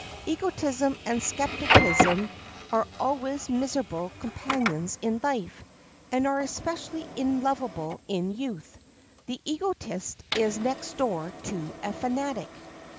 Egotism and skepticism are always miserable companions in life, and are especially unlovable in youth. The egotist is next door to a fanatic.